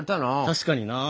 確かになぁ。